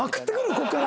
ここから。